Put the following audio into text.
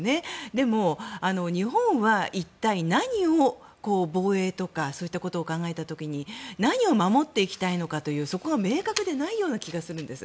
でも、日本は一体、何を防衛とかそういったことを考えた時に何を守っていきたいのかというそこが明確でないような気がするんです。